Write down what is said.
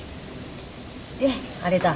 であれだ？